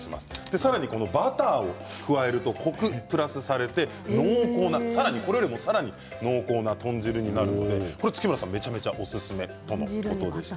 さらにバターを加えるとコクがプラスされて濃厚なこれよりもさらに濃厚な豚汁になるので月村さん、めちゃめちゃおすすめということです。